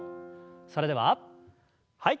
それでははい。